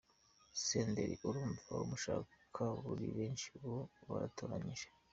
Senderi: Urumva umushaka muri benshi uba waratoranyije.